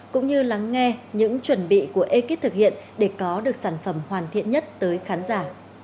cũng như lắng nghe những chuẩn bị của ekip thực hiện để có được sản phẩm hoàn thiện nhất tới khán giả